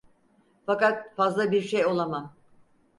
Fakat fazla bir şey olamam.